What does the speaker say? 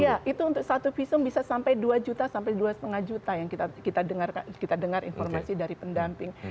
iya itu untuk satu visum bisa sampai dua juta sampai dua lima juta yang kita dengar informasi dari pendamping